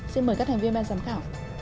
xin mời các thành viên ban giám khảo